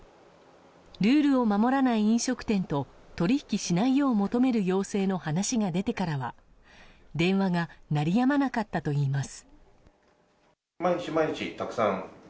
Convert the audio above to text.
ルールを守らない飲食店と取引しないよう求める要請の話が出てからは電話が鳴りやまなかったといいます。